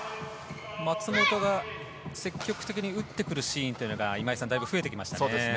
松本が積極的に打ってくるシーンが今井さん、だいぶ増えてきましたね。